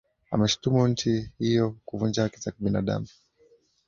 ameshtumu nchi hiyo kuvunja haki za kibinadamu